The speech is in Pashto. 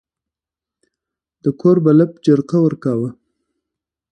د کور بلب جرقه ورکاوه.